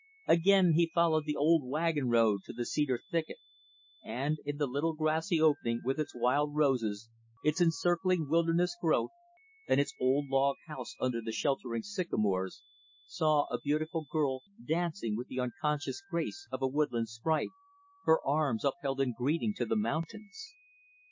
Again, he followed the old wagon road to the cedar thicket; and, in the little, grassy opening with its wild roses, its encircling wilderness growth, and its old log house under the sheltering sycamores, saw a beautiful girl dancing with the unconscious grace of a woodland sprite, her arms upheld in greeting to the mountains.